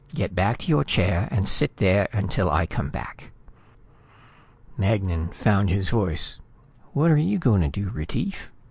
Get back to your chair and sit there until I come back." Magnan found his voice. "What are you going to do, Retief?"